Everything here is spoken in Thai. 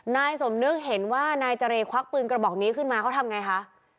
นายสมนึกเห็นว่านายเจรควักปืนกระบอกนี้ขึ้นมาเขาทำไงคะ